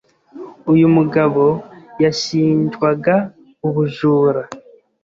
Uyu mugabo yashinjwaga ubujura.